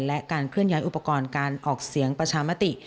และการเคลื่อนย้ายอุปกรณ์การออกเสียงประชามติ